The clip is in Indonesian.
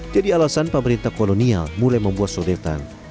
jadi alasan pemerintah kolonial mulai membuat soretan